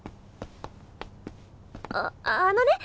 ああのね